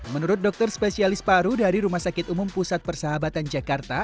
menurut dokter spesialis paru dari rumah sakit umum pusat persahabatan jakarta